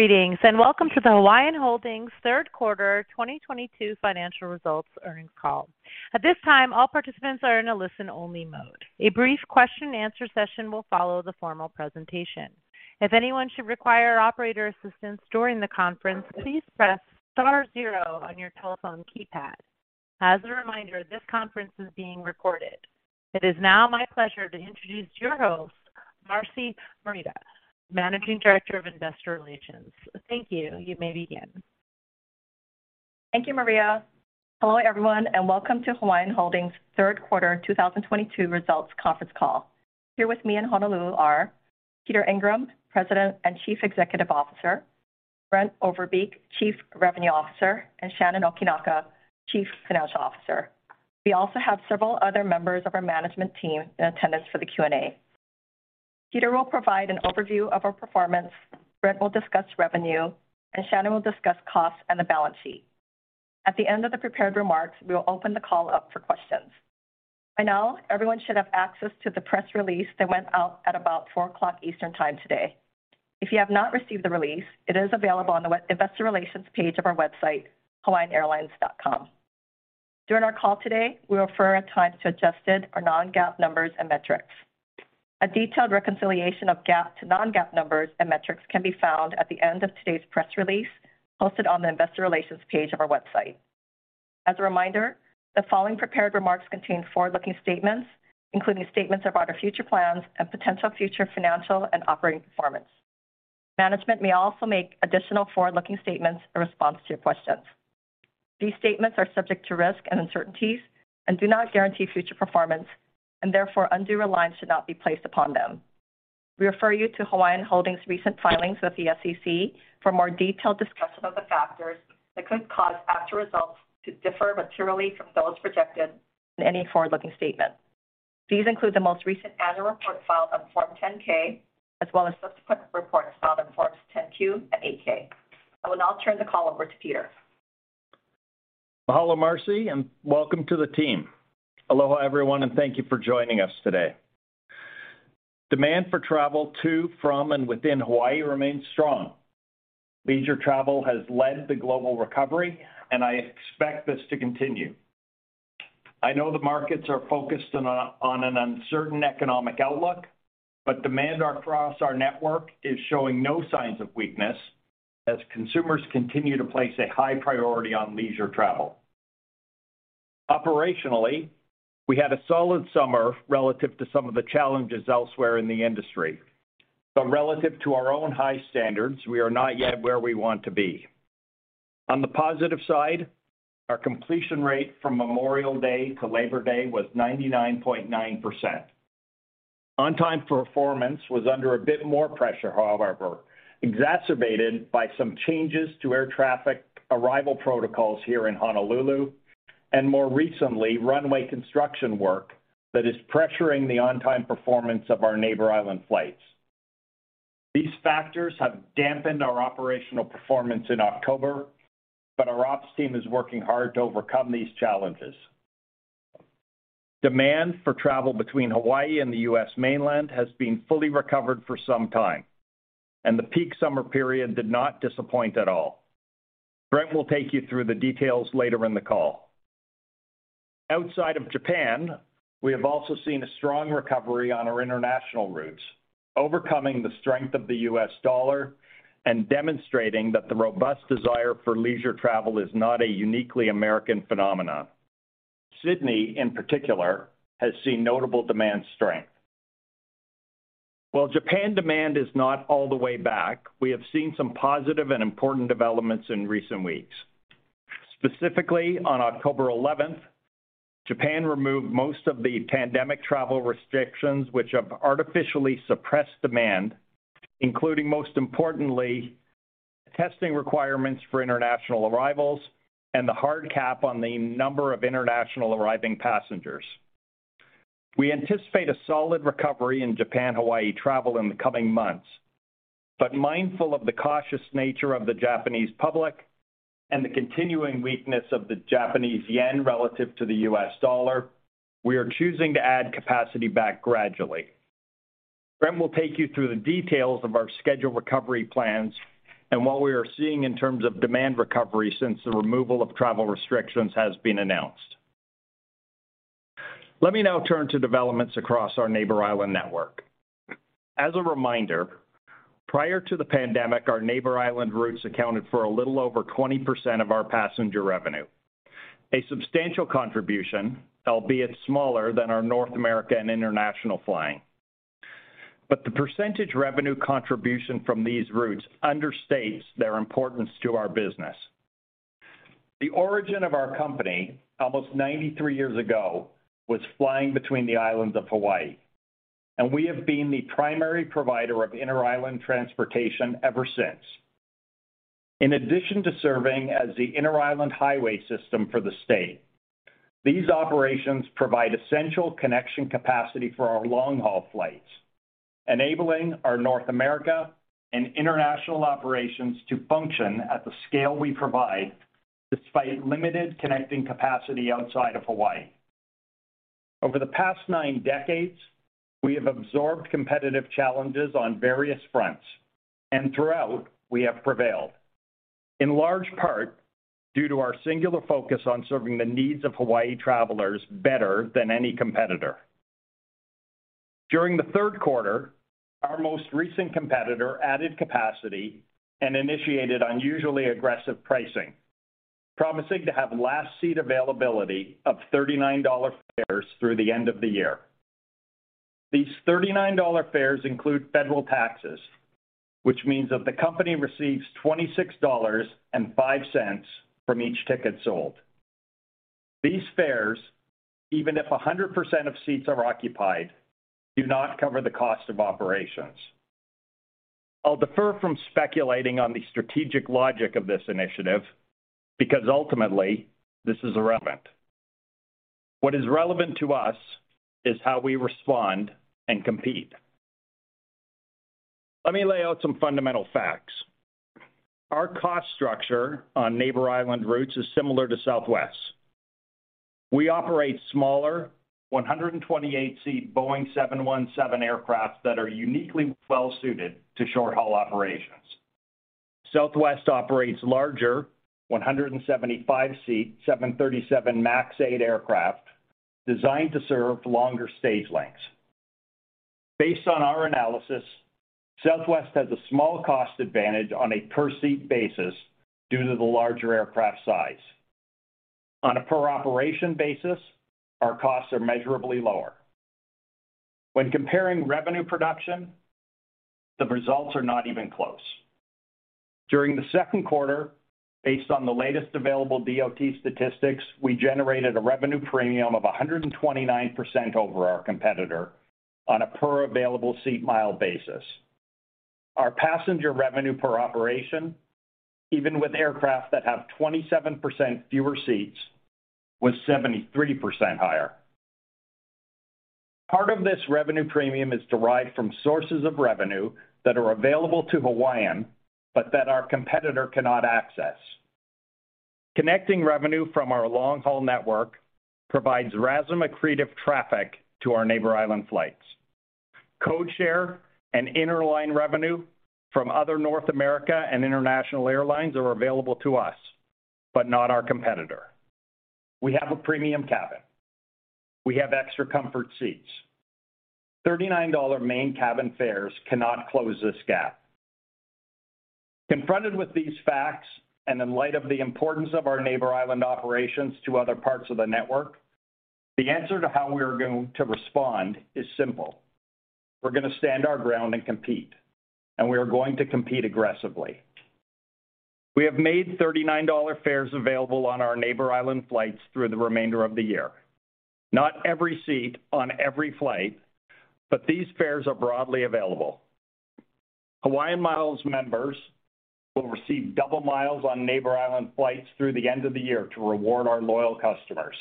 Greetings, and welcome to the Hawaiian Holdings third quarter 2022 financial results earnings call. At this time, all participants are in a listen-only mode. A brief question and answer session will follow the formal presentation. If anyone should require operator assistance during the conference, please press star zero on your telephone keypad. As a reminder, this conference is being recorded. It is now my pleasure to introduce your host, Marcy Morita, Managing Director of Investor Relations. Thank you. You may begin. Thank you, Marcy Morita. Hello, everyone, and welcome to Hawaiian Holdings Third Quarter 2022 Results Conference Call. Here with me in Honolulu are Peter Ingram, President and Chief Executive Officer, Brent Overbeek, Chief Revenue Officer, and Shannon Okinaka, Chief Financial Officer. We also have several other members of our management team in attendance for the Q&A. Peter will provide an overview of our performance, Brent will discuss revenue, and Shannon will discuss costs and the balance sheet. At the end of the prepared remarks, we will open the call up for questions. By now, everyone should have access to the press release that went out at about 4:00 P.M. Eastern Time today. If you have not received the release, it is available on the investor relations page of our website, hawaiianairlines.com. During our call today, we refer at times to adjusted or non-GAAP numbers and metrics. A detailed reconciliation of GAAP to non-GAAP numbers and metrics can be found at the end of today's press release posted on the investor relations page of our website. As a reminder, the following prepared remarks contain forward-looking statements, including statements about our future plans and potential future financial and operating performance. Management may also make additional forward-looking statements in response to your questions. These statements are subject to risk and uncertainties and do not guarantee future performance, and therefore, undue reliance should not be placed upon them. We refer you to Hawaiian Holdings recent filings with the SEC for more detailed discussion of the factors that could cause actual results to differ materially from those projected in any forward-looking statement. These include the most recent annual report filed on Form 10-K, as well as subsequent reports filed on Forms 10-Q and 8-K. I will now turn the call over to Peter. Mahalo, Marcy, and welcome to the team. Aloha, everyone, and thank you for joining us today. Demand for travel to, from, and within Hawaiʻi remains strong. Leisure travel has led the global recovery, and I expect this to continue. I know the markets are focused on an uncertain economic outlook, but demand across our network is showing no signs of weakness as consumers continue to place a high priority on leisure travel. Operationally, we had a solid summer relative to some of the challenges elsewhere in the industry. Relative to our own high standards, we are not yet where we want to be. On the positive side, our completion rate from Memorial Day to Labor Day was 99.9%. On-time performance was under a bit more pressure, however, exacerbated by some changes to air traffic arrival protocols here in Honolulu and more recently, runway construction work that is pressuring the on-time performance of our Neighbor Island flights. These factors have dampened our operational performance in October, but our ops team is working hard to overcome these challenges. Demand for travel between Hawaii and the U.S. mainland has been fully recovered for some time, and the peak summer period did not disappoint at all. Brent will take you through the details later in the call. Outside of Japan, we have also seen a strong recovery on our international routes, overcoming the strength of the U.S. dollar and demonstrating that the robust desire for leisure travel is not a uniquely American phenomenon. Sydney, in particular, has seen notable demand strength. While Japan demand is not all the way back, we have seen some positive and important developments in recent weeks. Specifically, on October eleventh, Japan removed most of the pandemic travel restrictions which have artificially suppressed demand, including, most importantly, testing requirements for international arrivals and the hard cap on the number of international arriving passengers. We anticipate a solid recovery in Japan-Hawaii travel in the coming months. Mindful of the cautious nature of the Japanese public and the continuing weakness of the Japanese yen relative to the U.S. dollar, we are choosing to add capacity back gradually. Brent will take you through the details of our schedule recovery plans and what we are seeing in terms of demand recovery since the removal of travel restrictions has been announced. Let me now turn to developments across our Neighbor Island network. As a reminder, prior to the pandemic, our Neighbor Island routes accounted for a little over 20% of our passenger revenue. A substantial contribution, albeit smaller than our North America and international flying. The percentage revenue contribution from these routes understates their importance to our business. The origin of our company, almost 93 years ago, was flying between the islands of Hawaiʻi, and we have been the primary provider of inter-island transportation ever since. In addition to serving as the inter-island highway system for the state, these operations provide essential connection capacity for our long-haul flights, enabling our North America and international operations to function at the scale we provide despite limited connecting capacity outside of Hawaii. Over the past nine decades, we have absorbed competitive challenges on various fronts, and throughout, we have prevailed, in large part due to our singular focus on serving the needs of Hawaiʻi travelers better than any competitor. During the third quarter, our most recent competitor added capacity and initiated unusually aggressive pricing, promising to have last seat availability of $39 fares through the end of the year. These $39 fares include federal taxes, which means that the company receives $26.05 from each ticket sold. These fares, even if 100% of seats are occupied, do not cover the cost of operations. I'll defer from speculating on the strategic logic of this initiative because ultimately this is irrelevant. What is relevant to us is how we respond and compete. Let me lay out some fundamental facts. Our cost structure on Neighbor Island routes is similar to Southwest. We operate smaller 128-seat Boeing 717 aircraft that are uniquely well-suited to short-haul operations. Southwest operates larger 175-seat 737 MAX 8 aircraft designed to serve longer stage lengths. Based on our analysis, Southwest has a small cost advantage on a per-seat basis due to the larger aircraft size. On a per-operation basis, our costs are measurably lower. When comparing revenue production, the results are not even close. During the second quarter, based on the latest available DOT statistics, we generated a revenue premium of 129% over our competitor on a per available seat mile basis. Our passenger revenue per operation, even with aircraft that have 27% fewer seats, was 73% higher. Part of this revenue premium is derived from sources of revenue that are available to Hawaiian but that our competitor cannot access. Connecting revenue from our long-haul network provides RASM accretive traffic to our Neighbor Island flights. Codeshare and interline revenue from other North America and international airlines are available to us, but not our competitor. We have a premium cabin. We have extra comfort seats. $39 main cabin fares cannot close this gap. Confronted with these facts and in light of the importance of our Neighbor Island operations to other parts of the network, the answer to how we are going to respond is simple. We're gonna stand our ground and compete, and we are going to compete aggressively. We have made $39 fares available on our Neighbor Island flights through the remainder of the year. Not every seat on every flight, but these fares are broadly available. HawaiianMiles members will receive double miles on Neighbor Island flights through the end of the year to reward our loyal customers.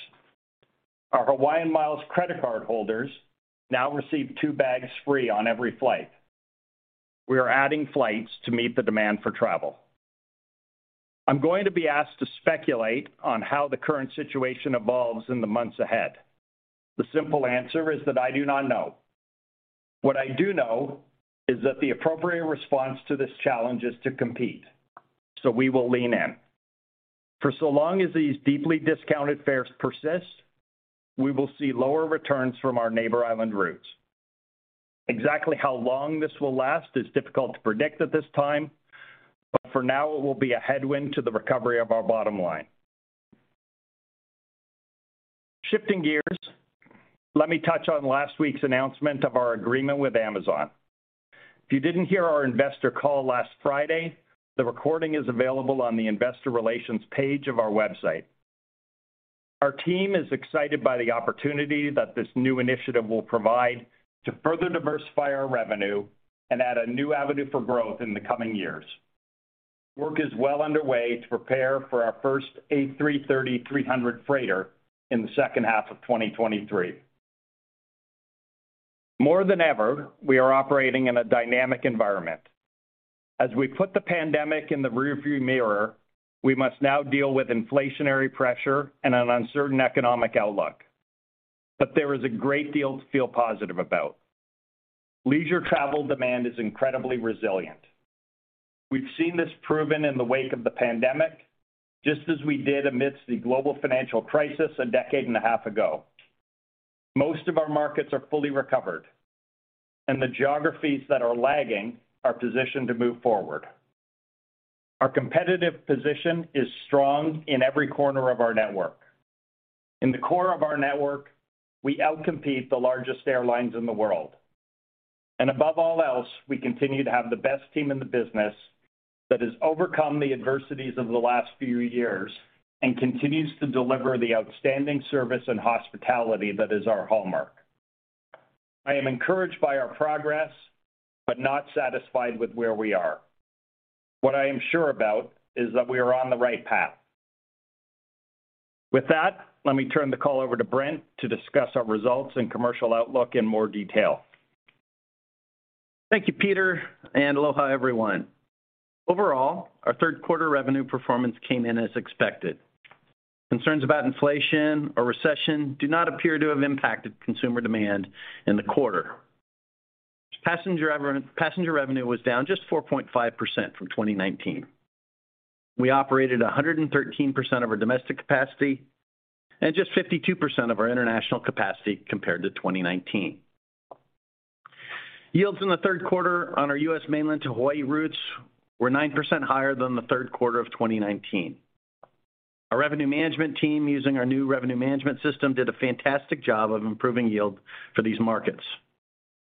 Our HawaiianMiles credit card holders now receive two bags free on every flight. We are adding flights to meet the demand for travel. I'm going to be asked to speculate on how the current situation evolves in the months ahead. The simple answer is that I do not know. What I do know is that the appropriate response to this challenge is to compete, so we will lean in. For so long as these deeply discounted fares persist, we will see lower returns from our Neighbor Island routes. Exactly how long this will last is difficult to predict at this time, but for now it will be a headwind to the recovery of our bottom line. Shifting gears, let me touch on last week's announcement of our agreement with Amazon. If you didn't hear our investor call last Friday, the recording is available on the investor relations page of our website. Our team is excited by the opportunity that this new initiative will provide to further diversify our revenue and add a new avenue for growth in the coming years. Work is well underway to prepare for our first A330-300 freighter in the second half of 2023. More than ever, we are operating in a dynamic environment. As we put the pandemic in the rearview mirror, we must now deal with inflationary pressure and an uncertain economic outlook. There is a great deal to feel positive about. Leisure travel demand is incredibly resilient. We've seen this proven in the wake of the pandemic, just as we did amidst the global financial crisis a decade and a half ago. Most of our markets are fully recovered, and the geographies that are lagging are positioned to move forward. Our competitive position is strong in every corner of our network. In the core of our network, we out-compete the largest airlines in the world. Above all else, we continue to have the best team in the business that has overcome the adversities of the last few years and continues to deliver the outstanding service and hospitality that is our hallmark. I am encouraged by our progress, but not satisfied with where we are. What I am sure about is that we are on the right path. With that, let me turn the call over to Brent to discuss our results and commercial outlook in more detail. Thank you, Peter, and aloha, everyone. Overall, our third quarter revenue performance came in as expected. Concerns about inflation or recession do not appear to have impacted consumer demand in the quarter. Passenger revenue was down just 4.5% from 2019. We operated 113% of our domestic capacity and just 52% of our international capacity compared to 2019. Yields in the third quarter on our U.S. mainland to Hawaii routes were 9% higher than the third quarter of 2019. Our revenue management team, using our new revenue management system, did a fantastic job of improving yield for these markets.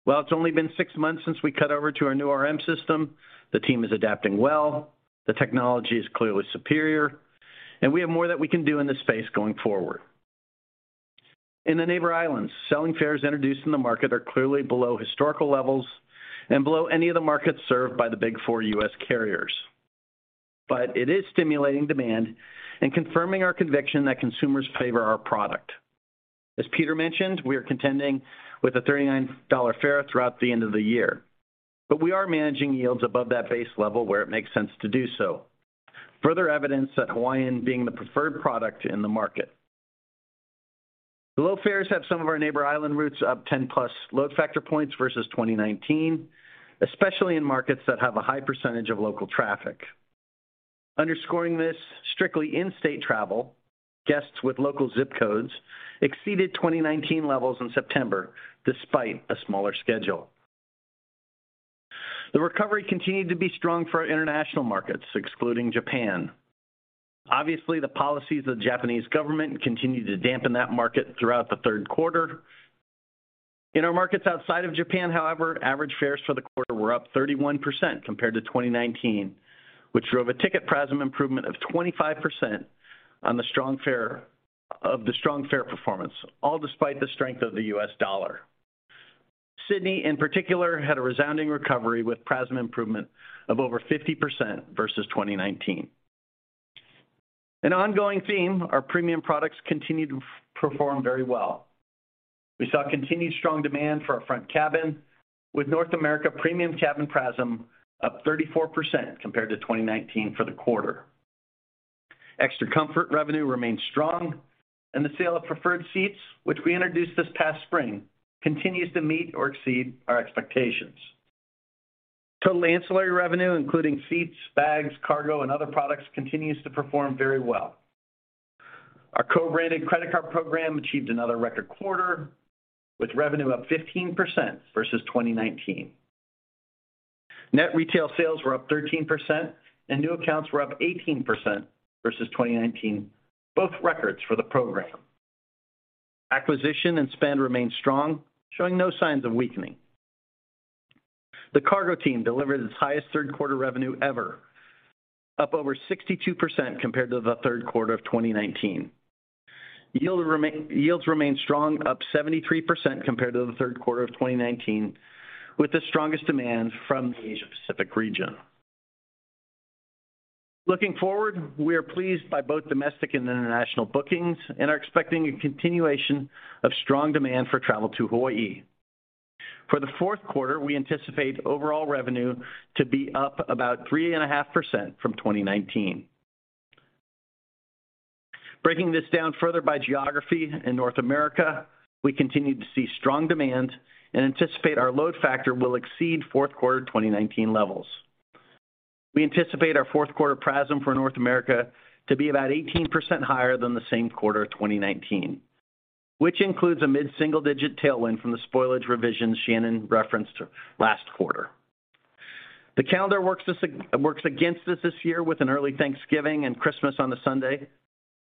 While it's only been six months since we cut over to our new RM system, the team is adapting well, the technology is clearly superior, and we have more that we can do in this space going forward. In the Neighbor Islands, selling fares introduced in the market are clearly below historical levels and below any of the markets served by the Big Four U.S. carriers. It is stimulating demand and confirming our conviction that consumers favor our product. As Peter mentioned, we are contending with a $39 fare throughout the end of the year, but we are managing yields above that base level where it makes sense to do so. Further evidence that Hawaiian being the preferred product in the market. The low fares have some of our Neighbor Island routes up 10-plus load factor points versus 2019, especially in markets that have a high percentage of local traffic. Underscoring this strictly in-state travel, guests with local zip codes exceeded 2019 levels in September despite a smaller schedule. The recovery continued to be strong for our international markets, excluding Japan. Obviously, the policies of the Japanese government continued to dampen that market throughout the third quarter. In our markets outside of Japan, however, average fares for the quarter were up 31% compared to 2019, which drove a ticket PRASM improvement of 25% on the strong fare performance, all despite the strength of the U.S. dollar. Sydney, in particular, had a resounding recovery with PRASM improvement of over 50% versus 2019. An ongoing theme, our premium products continued to perform very well. We saw continued strong demand for our front cabin, with North America premium cabin PRASM up 34% compared to 2019 for the quarter. Extra comfort revenue remains strong, and the sale of preferred seats, which we introduced this past spring, continues to meet or exceed our expectations. Total ancillary revenue, including seats, bags, cargo, and other products, continues to perform very well. Our co-branded credit card program achieved another record quarter, with revenue up 15% versus 2019. Net retail sales were up 13%, and new accounts were up 18% versus 2019, both records for the program. Acquisition and spend remain strong, showing no signs of weakening. The cargo team delivered its highest third quarter revenue ever, up over 62% compared to the third quarter of 2019. Yields remain strong, up 73% compared to the third quarter of 2019, with the strongest demand from the Asia Pacific region. Looking forward, we are pleased by both domestic and international bookings and are expecting a continuation of strong demand for travel to Hawaii. For the fourth quarter, we anticipate overall revenue to be up about 3.5% from 2019. Breaking this down further by geography in North America, we continue to see strong demand and anticipate our load factor will exceed fourth quarter 2019 levels. We anticipate our fourth quarter PRASM for North America to be about 18% higher than the same quarter of 2019, which includes a mid-single-digit tailwind from the spoilage revisions Shannon referenced last quarter. The calendar works against us this year with an early Thanksgiving and Christmas on a Sunday.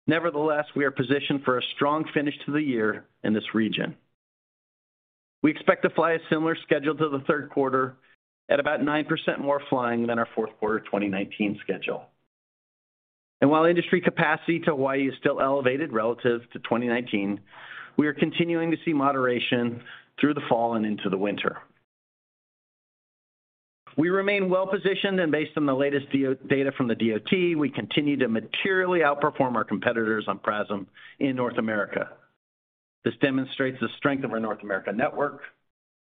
Nevertheless, we are positioned for a strong finish to the year in this region. We expect to fly a similar schedule to the third quarter at about 9% more flying than our fourth quarter of 2019 schedule. While industry capacity to Hawaii is still elevated relative to 2019, we are continuing to see moderation through the fall and into the winter. We remain well-positioned, and based on the latest data from the DOT, we continue to materially outperform our competitors on PRASM in North America. This demonstrates the strength of our North America network,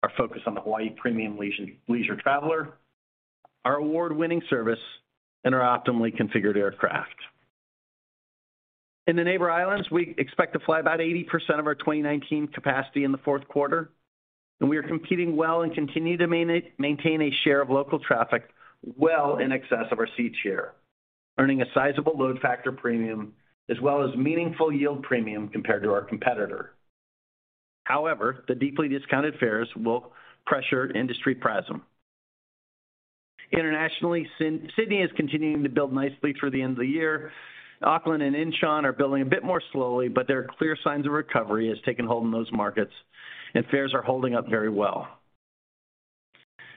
our focus on the Hawaii premium leisure traveler, our award-winning service, and our optimally configured aircraft. In the Neighbor Islands, we expect to fly about 80% of our 2019 capacity in the fourth quarter, and we are competing well and continue to maintain a share of local traffic well in excess of our seat share, earning a sizable load factor premium as well as meaningful yield premium compared to our competitor. However, the deeply discounted fares will pressure industry PRASM. Internationally, Sydney is continuing to build nicely for the end of the year. Auckland and Incheon are building a bit more slowly, but there are clear signs of recovery has taken hold in those markets, and fares are holding up very well.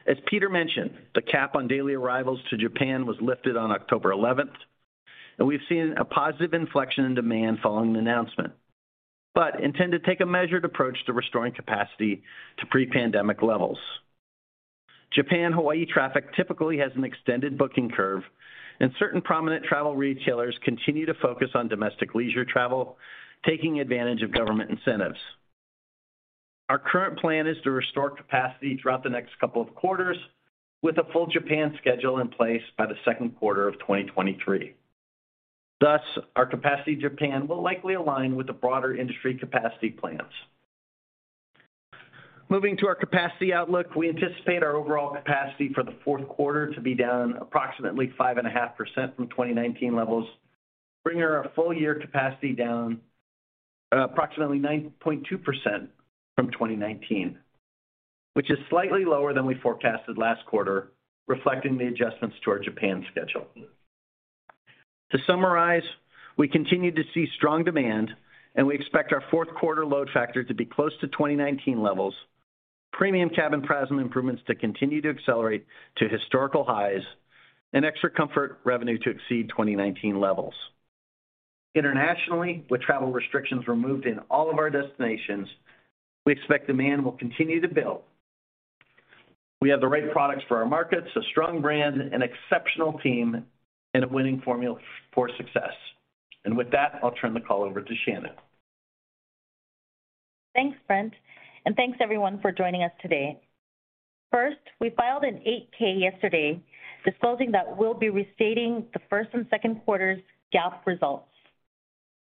As Peter mentioned, the cap on daily arrivals to Japan was lifted on October eleventh, and we've seen a positive inflection in demand following the announcement, but intend to take a measured approach to restoring capacity to pre-pandemic levels. Japan-Hawaiʻi traffic typically has an extended booking curve, and certain prominent travel retailers continue to focus on domestic leisure travel, taking advantage of government incentives. Our current plan is to restore capacity throughout the next couple of quarters, with a full Japan schedule in place by the second quarter of 2023. Thus, our capacity in Japan will likely align with the broader industry capacity plans. Moving to our capacity outlook, we anticipate our overall capacity for the fourth quarter to be down approximately 5.5% from 2019 levels, bringing our full-year capacity down approximately 9.2% from 2019, which is slightly lower than we forecasted last quarter, reflecting the adjustments to our Japan schedule. To summarize, we continue to see strong demand, and we expect our fourth quarter load factor to be close to 2019 levels, premium cabin PRASM improvements to continue to accelerate to historical highs, and extra comfort revenue to exceed 2019 levels. Internationally, with travel restrictions removed in all of our destinations, we expect demand will continue to build. We have the right products for our markets, a strong brand, an exceptional team, and a winning formula for success. With that, I'll turn the call over to Shannon. Thanks, Brent, and thanks everyone for joining us today. First, we filed an 8-K yesterday disclosing that we'll be restating the first and second quarters GAAP results.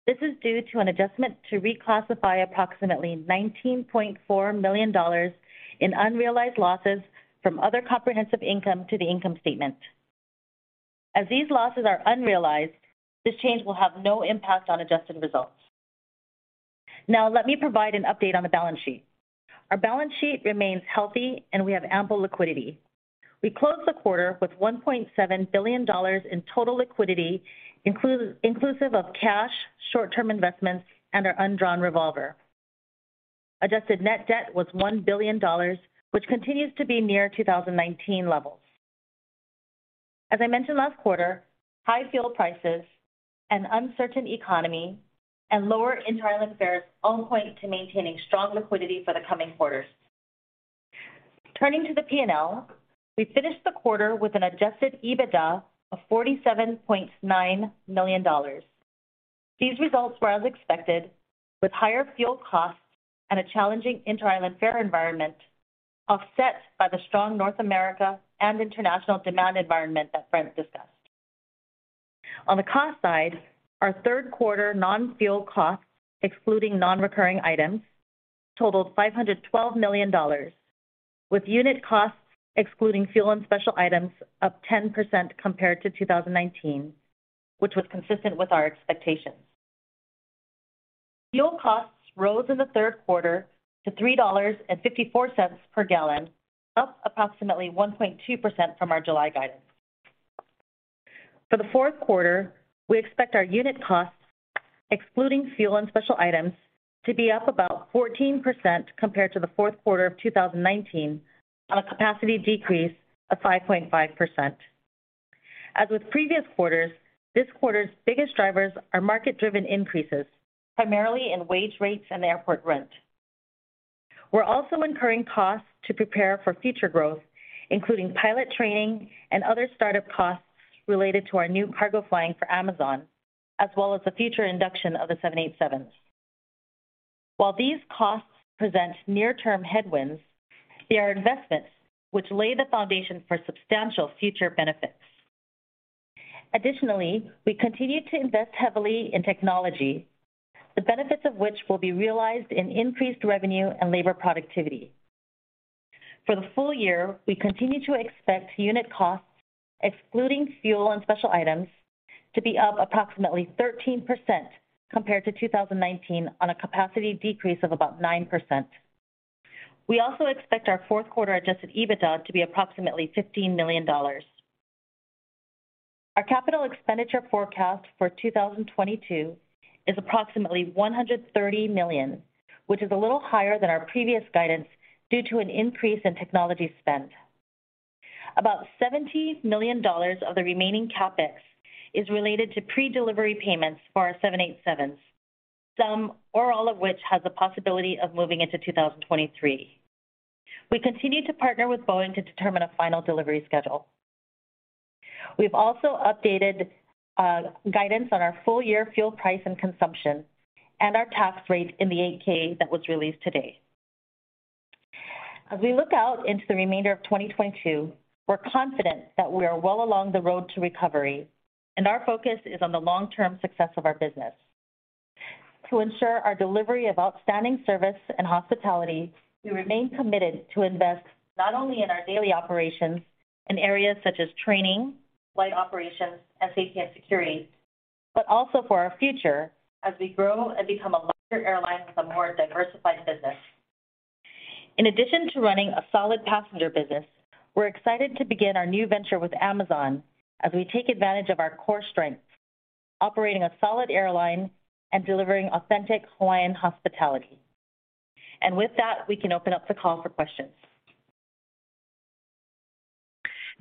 This is due to an adjustment to reclassify approximately $19.4 million in unrealized losses from other comprehensive income to the income statement. As these losses are unrealized, this change will have no impact on adjusted results. Now let me provide an update on the balance sheet. Our balance sheet remains healthy, and we have ample liquidity. We closed the quarter with $1.7 billion in total liquidity, inclusive of cash, short-term investments, and our undrawn revolver. Adjusted net debt was $1 billion, which continues to be near 2019 levels. As I mentioned last quarter, high fuel prices, an uncertain economy, and lower inter-island fares all point to maintaining strong liquidity for the coming quarters. Turning to the P&L, we finished the quarter with an adjusted EBITDA of $47.9 million. These results were as expected, with higher fuel costs and a challenging inter-island fare environment offset by the strong North America and international demand environment that Brent discussed. On the cost side, our third quarter non-fuel costs, excluding non-recurring items, totaled $512 million, with unit costs excluding fuel and special items up 10% compared to 2019, which was consistent with our expectations. Fuel costs rose in the third quarter to $3.54 per gallon, up approximately 1.2% from our July guidance. For the fourth quarter, we expect our unit costs, excluding fuel and special items, to be up about 14% compared to the fourth quarter of 2019 on a capacity decrease of 5.5%. As with previous quarters, this quarter's biggest drivers are market-driven increases, primarily in wage rates and airport rent. We're also incurring costs to prepare for future growth, including pilot training and other startup costs related to our new cargo flying for Amazon, as well as the future induction of the 787s. While these costs present near-term headwinds, they are investments which lay the foundation for substantial future benefits. Additionally, we continue to invest heavily in technology, the benefits of which will be realized in increased revenue and labor productivity. For the full year, we continue to expect unit costs, excluding fuel and special items, to be up approximately 13% compared to 2019 on a capacity decrease of about 9%. We also expect our fourth quarter adjusted EBITDA to be approximately $15 million. Our capital expenditure forecast for 2022 is approximately $130 million, which is a little higher than our previous guidance due to an increase in technology spend. About $70 million of the remaining CapEx is related to pre-delivery payments for our 787s, some or all of which has the possibility of moving into 2023. We continue to partner with Boeing to determine a final delivery schedule. We've also updated guidance on our full year fuel price and consumption and our tax rate in the 8-K that was released today. As we look out into the remainder of 2022, we're confident that we are well along the road to recovery, and our focus is on the long-term success of our business. To ensure our delivery of outstanding service and hospitality, we remain committed to invest not only in our daily operations in areas such as training, flight operations, and safety and security, but also for our future as we grow and become a larger airline with a more diversified business. In addition to running a solid passenger business, we're excited to begin our new venture with Amazon as we take advantage of our core strengths, operating a solid airline and delivering authentic Hawaiian hospitality. With that, we can open up the call for questions.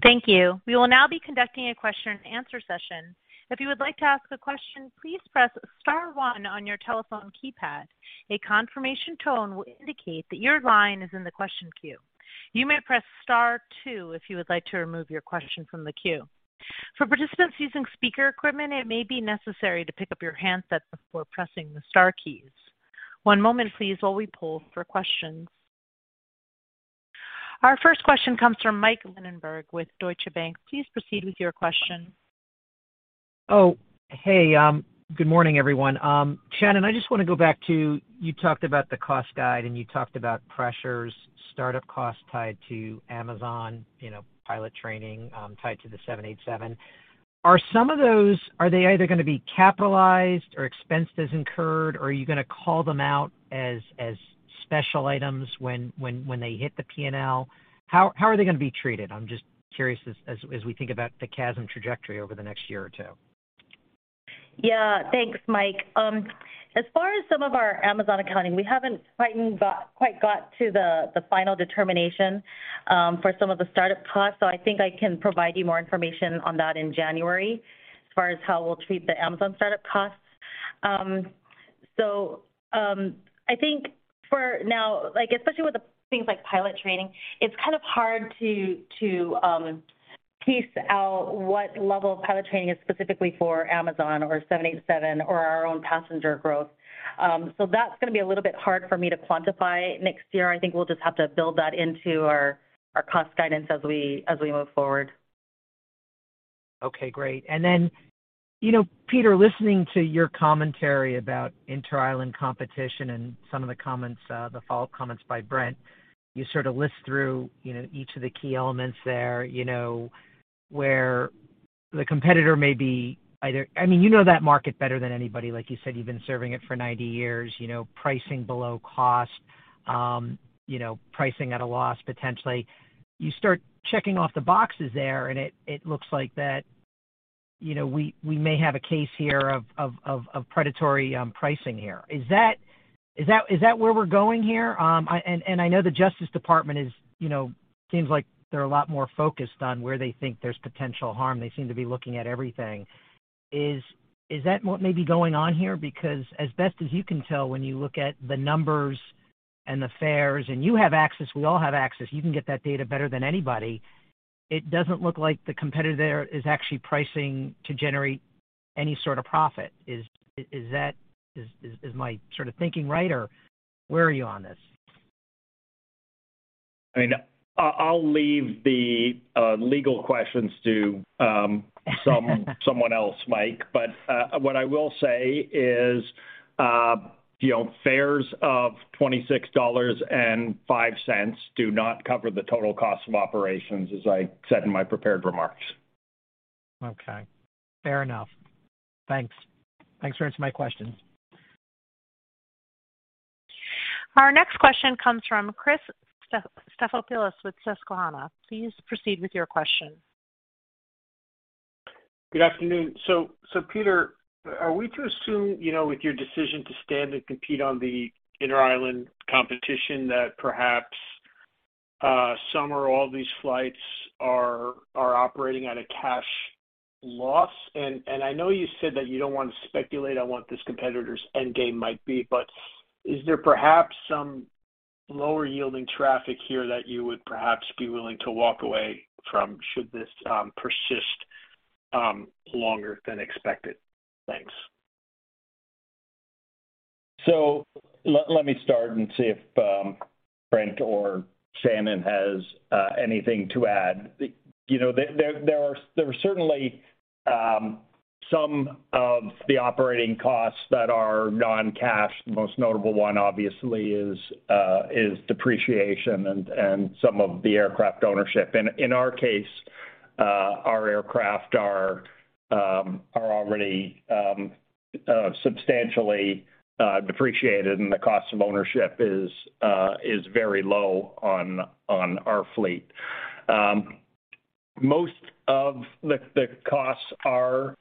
Thank you. We will now be conducting Q&A session. If you would like to ask a question, please press star one on your telephone keypad. A confirmation tone will indicate that your line is in the question queue. You may press star two if you would like to remove your question from the queue. For participants using speaker equipment, it may be necessary to pick up your handset before pressing the star keys. One moment please while we poll for questions. Our first question comes from Michael Linenberg with Deutsche Bank. Please proceed with your question. Hey. Good morning, everyone. Shannon, I just want to go back to you talked about the cost guide, and you talked about pressures, start-up costs tied to Amazon, you know, pilot training tied to the 787. Are some of those either going to be capitalized or expensed as incurred, or are you going to call them out as special items when they hit the PNL? How are they going to be treated? I'm just curious as we think about the CASM trajectory over the next year or two. Yeah. Thanks, Mike. As far as some of our Amazon accounting, we haven't quite got to the final determination for some of the start-up costs. I think I can provide you more information on that in January as far as how we'll treat the Amazon start-up costs. I think for now, like, especially with the things like pilot training, it's kind of hard to piece out what level of pilot training is specifically for Amazon or 787 or our own passenger growth. That's going to be a little bit hard for me to quantify next year. I think we'll just have to build that into our cost guidance as we move forward. Okay. Great. Peter, listening to your commentary about inter-island competition and some of the comments, the follow-up comments by Brent, you sort of list through each of the key elements there where the competitor may be, I mean that market better than anybody. Like you said, you've been serving it for 90 years pricing below cost pricing at a loss potentially. You start checking off the boxes there, and it looks like that we may have a case here of predatory pricing here. Is that where we're going here? And I know the Department of Justice is, you know, seems like they're a lot more focused on where they think there's potential harm. They seem to be looking at everything. Is that what may be going on here? Because as best as you can tell when you look at the numbers and the fares, and you have access, we all have access, you can get that data better than anybody. It doesn't look like the competitor there is actually pricing to generate any sort of profit. Is that my sort of thinking right, or where are you on this? I mean, I'll leave the legal questions to someone else, Mich. What I will say is, you know, fares of $26.05 do not cover the total cost of operations, as I said in my prepared remarks. Okay. Fair enough. Thanks for answering my question. Our next question comes from Chris Stathoulopoulos with Susquehanna. Please proceed with your question. Good afternoon. Peter, are we to assume with your decision to stand and compete on the inter-island competition that perhaps some or all these flights are operating at a cash loss? I know you said that you don't want to speculate on what this competitor's end game might be, but is there perhaps some lower-yielding traffic here that you would perhaps be willing to walk away from should this persist longer than expected? Thanks. Let me start and see if Brent or Shannon has anything to add. There are certainly some of the operating costs that are non-cash. The most notable one, obviously, is depreciation and some of the aircraft ownership. In our case, our aircraft are already substantially depreciated, and the cost of ownership is very low on our fleet. Most of the costs are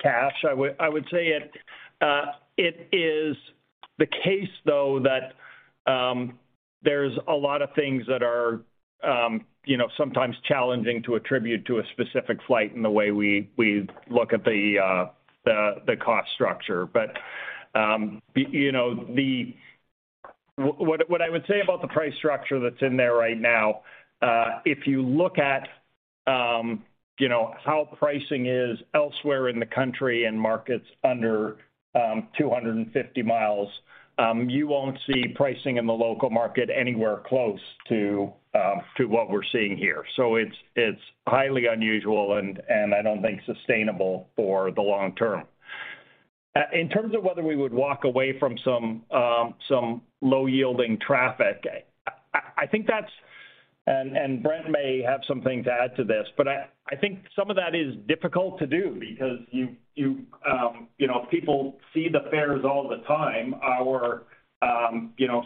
cash. I would say it is the case, though, that there's a lot of things that are, you know, sometimes challenging to attribute to a specific flight in the way we look at the cost structure. what I would say about the price structure that's in there right now, if you look at you know how pricing is elsewhere in the country in markets under 250 miles, you won't see pricing in the local market anywhere close to what we're seeing here. It's highly unusual and I don't think sustainable for the long term. In terms of whether we would walk away from some low-yielding traffic, I think and Brent may have something to add to this, but I think some of that is difficult to do because you you know people see the fares all the time. Our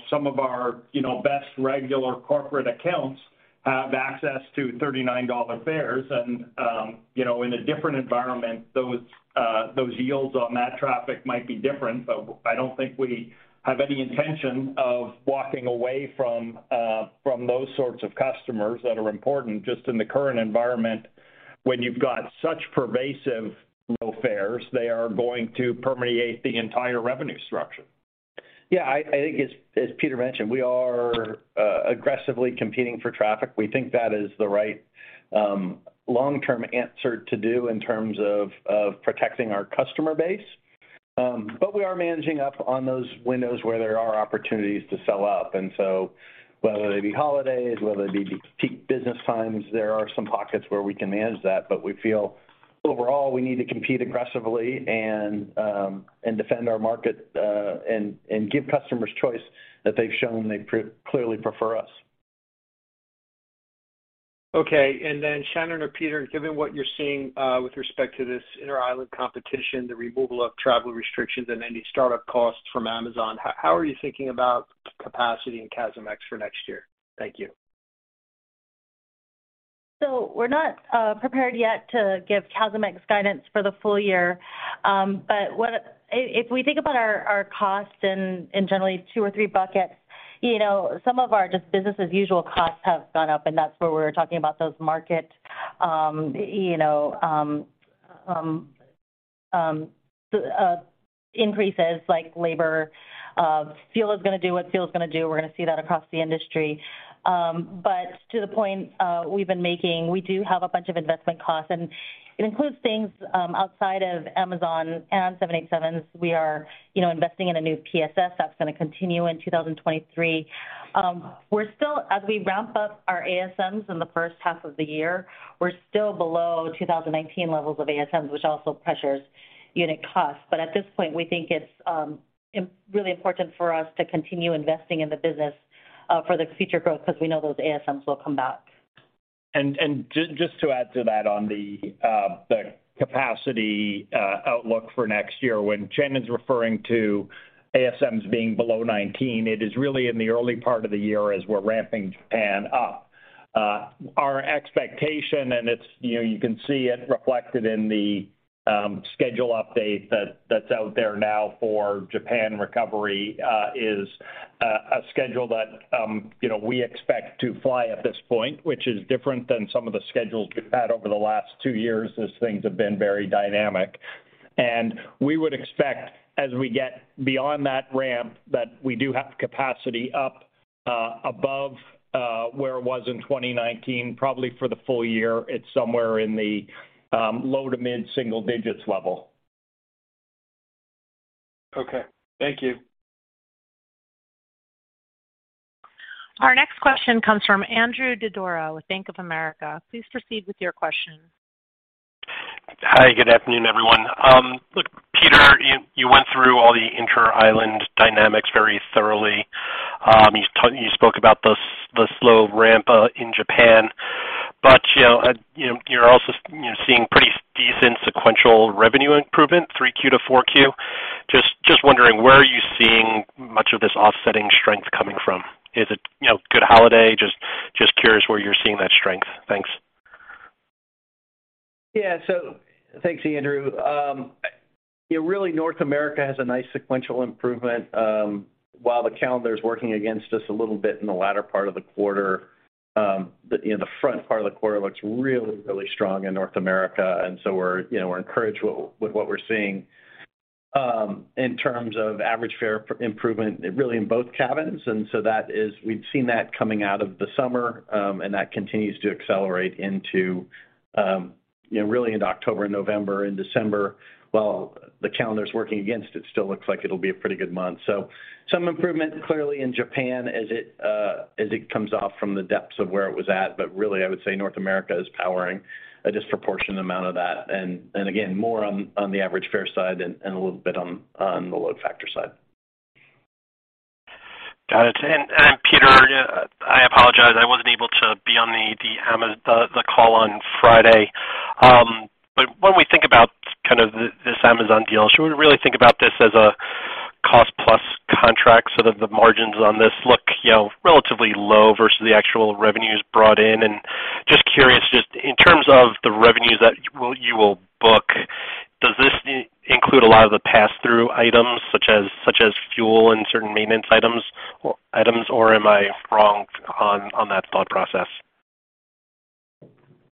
some of our best regular corporate accounts have access to $39 fares and in a different environment, those yields on that traffic might be different. I don't think we have any intention of walking away from those sorts of customers that are important just in the current environment when you've got such pervasive low fares. They are going to permeate the entire revenue structure. Yeah, I think as Peter mentioned, we are aggressively competing for traffic. We think that is the right long-term answer to do in terms of protecting our customer base. But we are managing up on those windows where there are opportunities to sell up. Whether they be holidays, whether they be peak business times, there are some pockets where we can manage that, but we feel overall we need to compete aggressively and defend our market, and give customers choice that they've shown they clearly prefer us. Okay. Shannon or Peter, given what you're seeing, with respect to this inter-island competition, the removal of travel restrictions and any startup costs from Amazon, how are you thinking about capacity in CASM ex-fuel for next year? Thank you. We're not prepared yet to give CASM ex-fuel guidance for the full year. If we think about our costs in general two or three buckets some of our just business as usual costs have gone up, and that's where we're talking about those market increases like labor. Fuel is gonna do what fuel is gonna do. We're gonna see that across the industry. To the point, we do have a bunch of investment costs, and it includes things outside of Amazon and on 787s. We are, you know, investing in a new PSS that's gonna continue in 2023. We're still as we ramp up our ASMs in the first half of the year, we're still below 2019 levels of ASMs, which also pressures unit costs. At this point, we think it's really important for us to continue investing in the business for the future growth because we know those ASMs will come back. Just to add to that on the capacity outlook for next year, when Shannon's referring to ASMs being below 19, it is really in the early part of the year as we're ramping Japan up. Our expectation you can see it reflected in the schedule update that's out there now for Japan recovery, is a schedule that, you know, we expect to fly at this point, which is different than some of the schedules we've had over the last two years as things have been very dynamic. We would expect as we get beyond that ramp that we do have capacity up above where it was in 2019, probably for the full year at somewhere in the low to mid single digits level. Okay. Thank you. Our next question comes from Andrew Didora with Bank of America. Please proceed with your question. Hi, good afternoon, everyone. Look, Peter, you went through all the inter-island dynamics very thoroughly. You spoke about the slow ramp in Japan. You're also, you know, seeing pretty decent sequential revenue improvement, three Q to four Q. Just wondering, where are you seeing much of this offsetting strength coming from? Is it, you know, good holiday? Just curious where you're seeing that strength. Thanks. Yeah. Thanks, Andrew really North America has a nice sequential improvement, while the calendar is working against us a little bit in the latter part of the quarter. You know, the front part of the quarter looks really strong in North America, and we're encouraged with what we're seeing in terms of average fare improvement really in both cabins. We've seen that coming out of the summer, and that continues to accelerate into really into October and November and December. While the calendar's working against it still looks like it'll be a pretty good month. Some improvement clearly in Japan as it comes off from the depths of where it was at. Really, I would say North America is powering a disproportionate amount of that, and again, more on the average fare side than a little bit on the load factor side. Got it. Peter, I apologize I wasn't able to be on the call on Friday. When we think about kind of this Amazon deal, should we really think about this as a cost plus contract so that the margins on this look relatively low versus the actual revenues brought in? Just curious, in terms of the revenues that you will book, does this include a lot of the pass-through items such as fuel and certain maintenance items, or am I wrong on that thought process?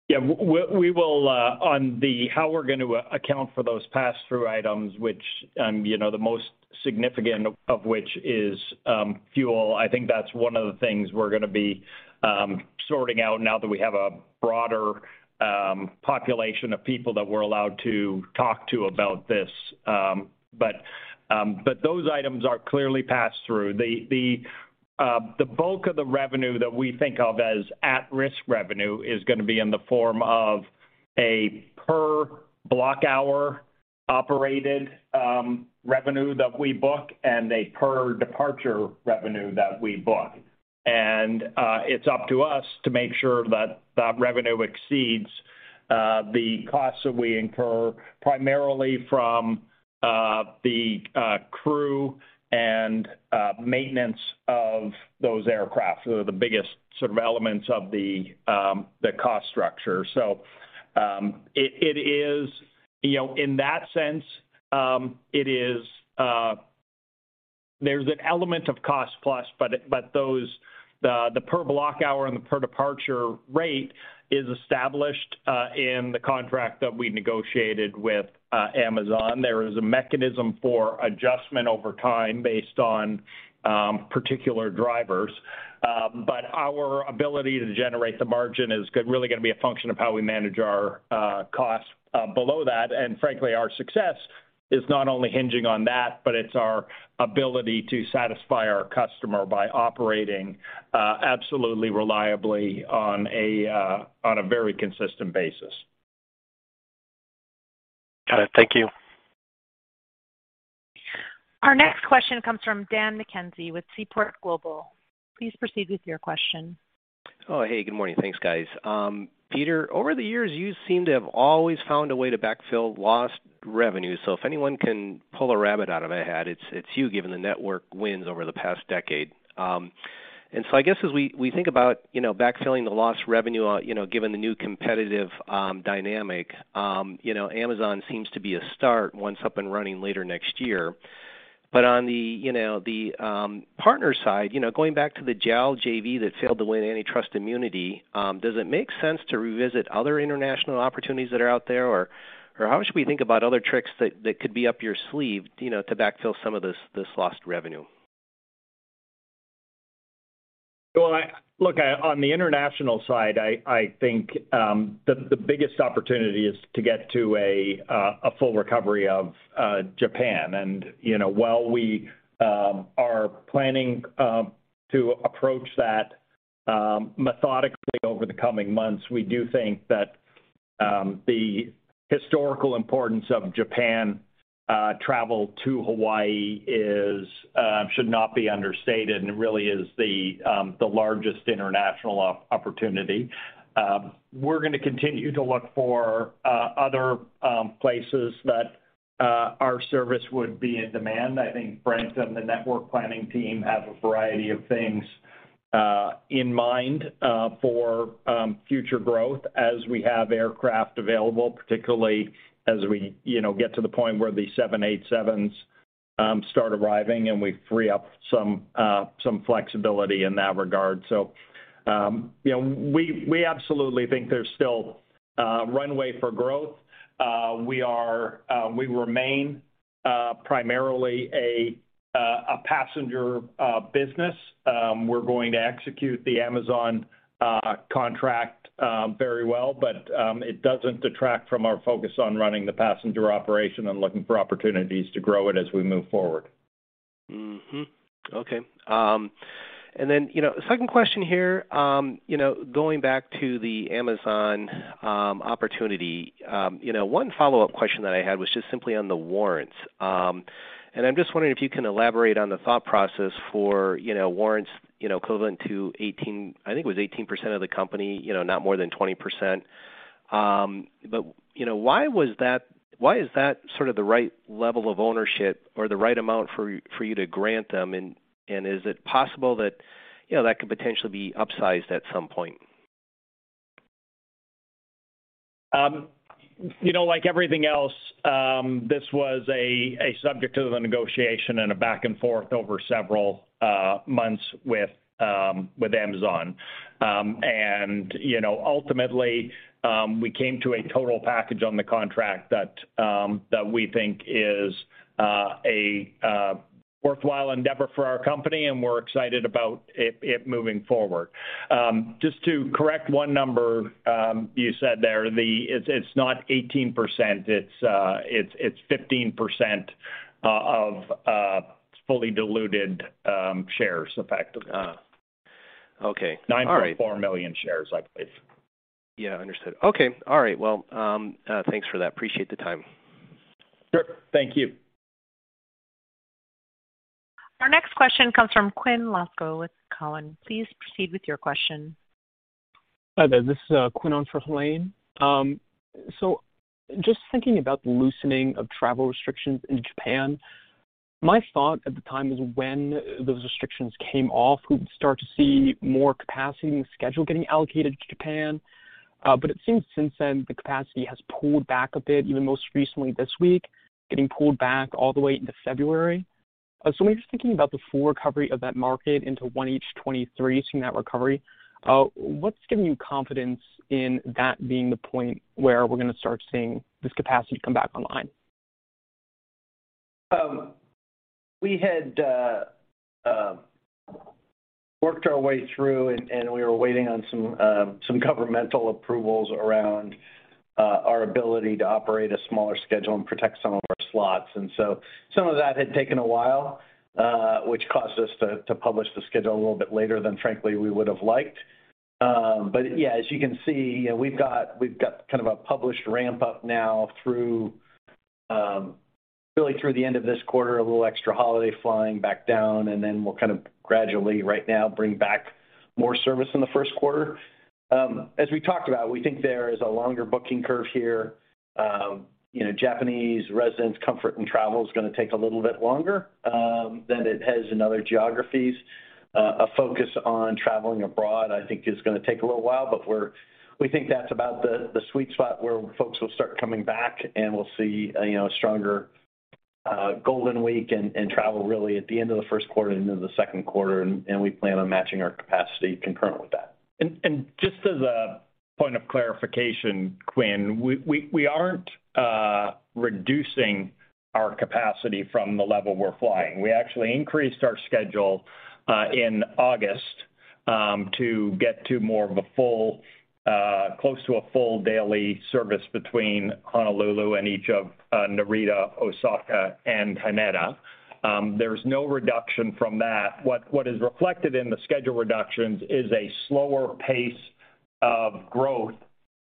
Yeah. We will on how we're going to account for those pass-through items which the most significant of which is fuel. I think that's one of the things we're gonna be sorting out now that we have a broader population of people that we're allowed to talk to about this. But those items are clearly pass-through. The bulk of the revenue that we think of as at-risk revenue is gonna be in the form of a per block hour operated revenue that we book and a per departure revenue that we book. It's up to us to make sure that revenue exceeds the costs that we incur primarily from the crew and maintenance of those aircraft. They're the biggest sort of elements of the cost structure. It is, you know, in that sense, it is, there's an element of cost plus, but those. The per block hour and the per departure rate is established in the contract that we negotiated with Amazon. There is a mechanism for adjustment over time based on particular drivers. But our ability to generate the margin is really gonna be a function of how we manage our costs below that. Frankly, our success is not only hinging on that, but it's our ability to satisfy our customer by operating absolutely reliably on a very consistent basis. Got it. Thank you. Our next question comes from Daniel McKenzie with Seaport Global. Please proceed with your question. Oh, hey, good morning. Thanks, guys. Peter, over the years, you seem to have always found a way to backfill lost revenue. If anyone can pull a rabbit out of a hat, it's you, given the network wins over the past decade. I guess as we think about, you know, backfilling the lost revenue given the new competitive dynamic Amazon seems to be a start once up and running later next year. On the, you know, partner side, you know, going back to the JAL JV that failed to win any antitrust immunity, does it make sense to revisit other international opportunities that are out there? Or how should we think about other tricks that could be up your sleeve, you know, to backfill some of this lost revenue? Well, look, on the international side, I think the biggest opportunity is to get to a full recovery of Japan. You know, while we are planning to approach that methodically over the coming months, we do think that the historical importance of Japan travel to Hawaii should not be understated, and it really is the largest international opportunity. We're gonna continue to look for other places that our service would be in demand. I think Brent and the network planning team have a variety of things in mind for future growth as we have aircraft available, particularly as we get to the point where the 787s start arriving and we free up some flexibility in that regard. You know, we absolutely think there's still runway for growth. We remain primarily a passenger business. We're going to execute the Amazon contract very well, but it doesn't detract from our focus on running the passenger operation and looking for opportunities to grow it as we move forward. Okay. Second question here, you know, going back to the Amazon opportunity one follow-up question that I had was just simply on the warrants. I'm just wondering if you can elaborate on the thought process for, you know, warrants equivalent to 18% I think it was 18% of the company not more than 20%. But, you know, why is that sort of the right level of ownership or the right amount for you to grant them? Is it possible that that could potentially be upsized at some point? Like everything else, this was a subject of the negotiation and a back and forth over several months with Amazon. Ultimately, we came to a total package on the contract that we think is a worthwhile endeavor for our company, and we're excited about it moving forward. Just to correct one number, you said there, it's not 18%, it's 15% of fully diluted shares, effectively 9.4 million shares, I believe. Yeah, understood. Okay. All right. Well, thanks for that. Appreciate the time. Sure. Thank you. Our next question comes from Conor Cunningham with Cowen. Please proceed with your question. Hi there. This is Quinn on for Helane. Just thinking about the loosening of travel restrictions in Japan, my thought at the time was when those restrictions came off, we would start to see more capacity in the schedule getting allocated to Japan. It seems since then, the capacity has pulled back a bit, even most recently this week, getting pulled back all the way into February. When you're thinking about the full recovery of that market into 1H 2023, seeing that recovery, what's giving you confidence in that being the point where we're gonna start seeing this capacity come back online? We had worked our way through, and we were waiting on some governmental approvals around our ability to operate a smaller schedule and protect some of our slots. Some of that had taken a while, which caused us to publish the schedule a little bit later than frankly we would have liked. Yeah, as you can see we've got kind of a published ramp up now through really through the end of this quarter, a little extra holiday flying back down, and then we'll kind of gradually right now bring back more service in the first quarter. As we talked about, we think there is a longer booking curve here. Japanese residents' comfort in travel is gonna take a little bit longer than it has in other geographies. A focus on traveling abroad, I think, is gonna take a little while, but we think that's about the sweet spot where folks will start coming back and we'll see a stronger Golden Week and travel really at the end of the first quarter into the second quarter, and we plan on matching our capacity concurrent with that. Just as a point of clarification, Quinn, we aren't reducing our capacity from the level we're flying. We actually increased our schedule in August to get to more of a full close to a full daily service between Honolulu and each of Narita, Osaka, and Haneda. There's no reduction from that. What is reflected in the schedule reductions is a slower pace of growth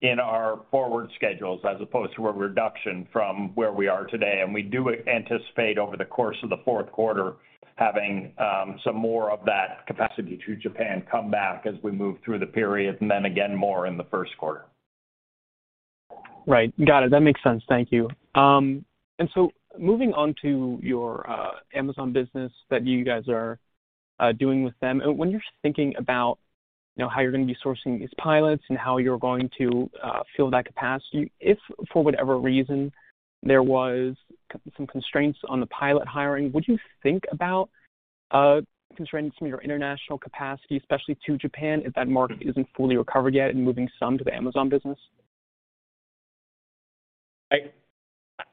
in our forward schedules as opposed to a reduction from where we are today. We do anticipate over the course of the fourth quarter having some more of that capacity to Japan come back as we move through the period, and then again more in the first quarter. Right. Got it. That makes sense. Thank you. Moving on to your Amazon business that you guys are doing with them, when you're thinking about how you're gonna be sourcing these pilots and how you're going to fill that capacity, if, for whatever reason, there was some constraints on the pilot hiring, would you think about constraining some of your international capacity, especially to Japan if that market isn't fully recovered yet and moving some to the Amazon business?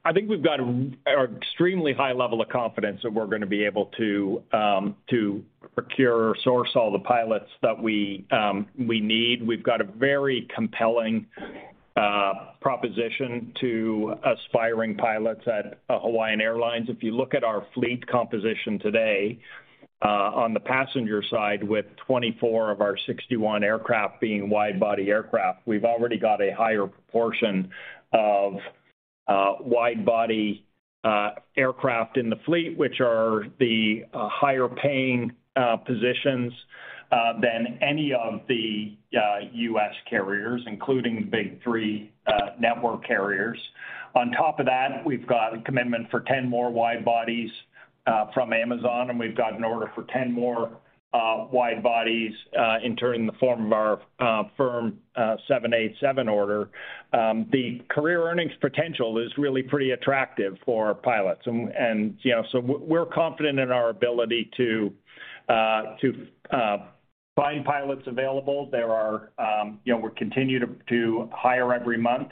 I think we've got an extremely high level of confidence that we're gonna be able to procure or source all the pilots that we need. We've got a very compelling proposition to aspiring pilots at Hawaiian Airlines. If you look at our fleet composition today, on the passenger side with 24 of our 61 aircraft being wide body aircraft, we've already got a higher proportion of wide body aircraft in the fleet, which are the higher paying positions than any of the U.S. carriers, including Big Three network carriers. On top of that, we've got a commitment for 10 more wide bodies from Amazon, and we've got an order for 10 more wide bodies in the form of our firm 787 order. The career earnings potential is really pretty attractive for our pilots. You know, we're confident in our ability to find pilots available. There are, you know, we continue to hire every month.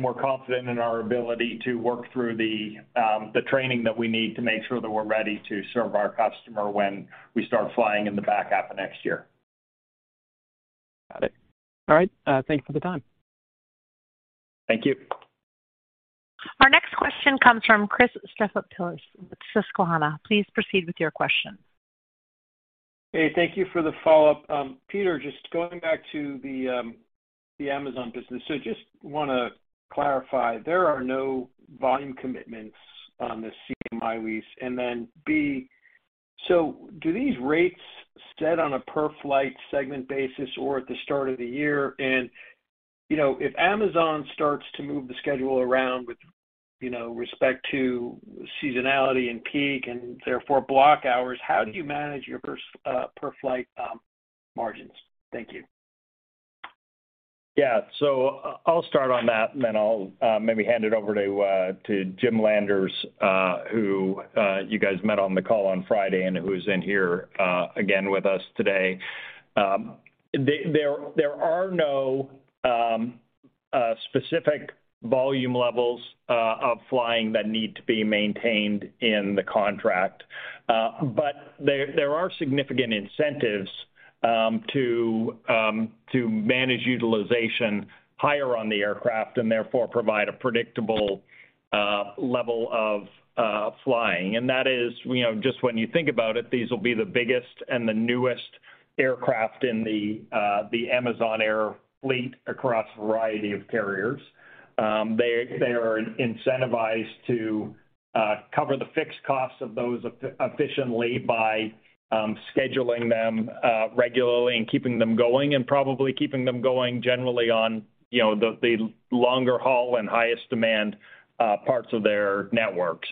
We're confident in our ability to work through the training that we need to make sure that we're ready to serve our customer when we start flying in the back half of next year. Got it. All right. Thank you for the time. Thank you. Our next question comes from Chris Stathoulopoulos with Susquehanna. Please proceed with your question. Hey, thank you for the follow-up. Peter, just going back to the Amazon business. Just wanna clarify, there are no volume commitments on the ACMI lease. B, do these rates set on a per-flight segment basis or at the start of the year? if Amazon starts to move the schedule around with, you know, respect to seasonality and peak and therefore block hours, how do you manage your per-flight margins? Thank you. Yeah. I'll start on that, and then I'll maybe hand it over to Jim Landers, who you guys met on the call on Friday and who's in here again with us today. There are no specific volume levels of flying that need to be maintained in the contract. But there are significant incentives to manage utilization higher on the aircraft, and therefore provide a predictable level of flying. That is, just when you think about it, these will be the biggest and the newest aircraft in the Amazon Air fleet across a variety of carriers. They are incentivized to cover the fixed costs of those efficiently by scheduling them regularly and keeping them going, and probably keeping them going generally on, you know, the longer haul and highest demand parts of their network.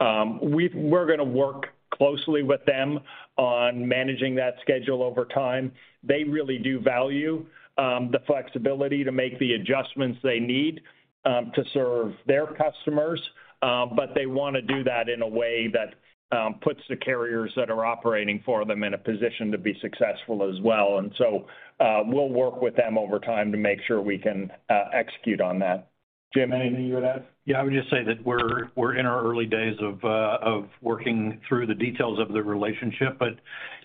We're gonna work closely with them on managing that schedule over time. They really do value the flexibility to make the adjustments they need to serve their customers, but they wanna do that in a way that puts the carriers that are operating for them in a position to be successful as well. We'll work with them over time to make sure we can execute on that. Jim, anything you wanna add? Yeah. I would just say that we're in our early days of working through the details of the relationship.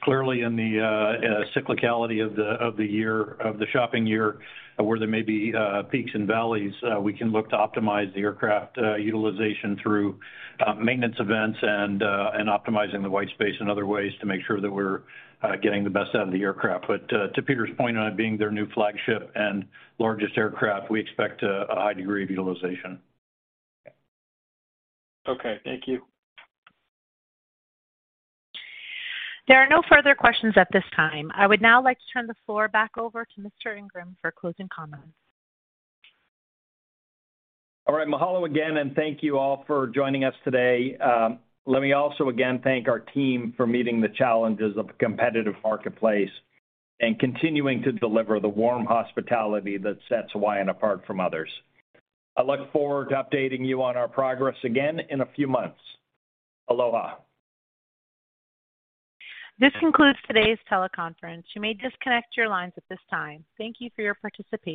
Clearly in the cyclicality of the year, of the shopping year, where there may be peaks and valleys, we can look to optimize the aircraft utilization through maintenance events and optimizing the white space in other ways to make sure that we're getting the best out of the aircraft. To Peter's point on it being their new flagship and largest aircraft, we expect a high degree of utilization. Okay. Thank you. There are no further questions at this time. I would now like to turn the floor back over to Peter Ingram for closing comments. All right. Mahalo again, and thank you all for joining us today. Let me also again thank our team for meeting the challenges of a competitive marketplace and continuing to deliver the warm hospitality that sets Hawaiian apart from others. I look forward to updating you on our progress again in a few months. Aloha. This concludes today's teleconference. You may disconnect your lines at this time. Thank you for your participation.